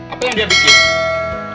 apa yang dia bikin